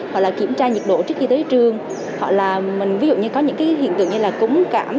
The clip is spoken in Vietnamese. hoặc là kiểm tra nhiệt độ trước khi tới trường hoặc là mình ví dụ như có những cái hiện tượng như là cúm cảm